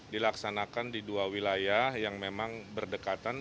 dilaksanakan di dua wilayah yang memang berdekatan